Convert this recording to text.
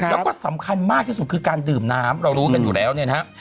แล้วก็สำคัญมากที่สุดคือการดื่มน้ำเรารู้กันอยู่แล้วเนี่ยนะฮะ